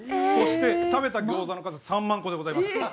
そして食べた餃子の数３万個でございます。